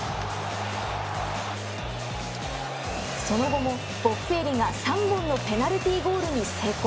その後もボッフェーリが３本のペナルティゴールに成功。